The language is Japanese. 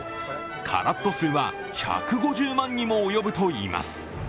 カラット数は１５０万にも及ぶといいます。